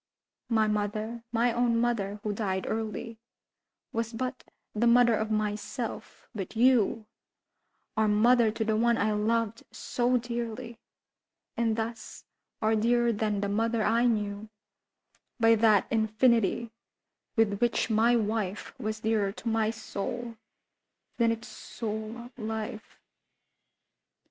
My mother—my own mother, who died early, Was but the mother of myself; but you Are mother to the one I loved so dearly, And thus are dearer than the mother I knew By that infinity with which my wife Was dearer to my soul than its soul life.